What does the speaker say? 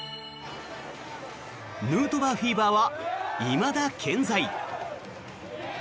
ヌートバーフィーバーはいまだ健在。